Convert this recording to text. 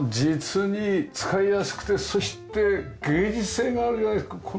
実に使いやすくてそして芸術性があるじゃないですか